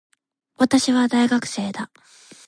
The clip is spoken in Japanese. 私は、大学生だ。